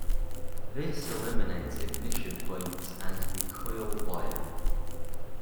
This eliminates ignition points and the coil wire.